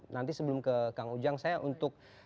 nanti sebelum ke kang ujang saya untuk